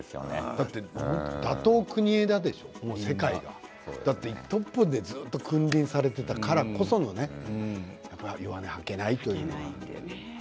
だって打倒国枝でしょうトップにずっと君臨されていたからこその弱音を吐けない。